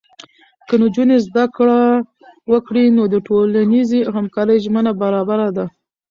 که نجونې زده کړه وکړي، نو د ټولنیزې همکارۍ زمینه برابره ده.